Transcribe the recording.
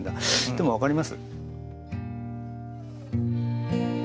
でも分かります？